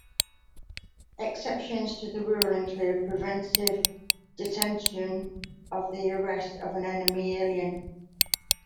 Exceptions to this rule include preventive detention and the arrest of an enemy alien.